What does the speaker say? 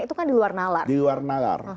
itu kan di luar nalar